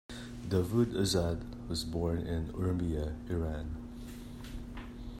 Davood Azad was born in Urmia, Iran.